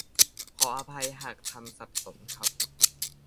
ขออภัยหากทำสับสนครับ